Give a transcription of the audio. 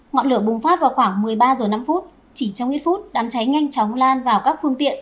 ngọn lửa bùng phát vào khoảng một mươi ba h năm chỉ trong ít phút đám cháy nhanh chóng lan vào các phương tiện